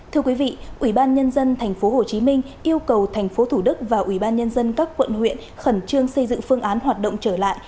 thưa quý vị ủy ban nhân dân tp hcm yêu cầu tp thủ đức và ủy ban nhân dân các quận huyện khẩn trương xây dựng phương án hoạt động trở lại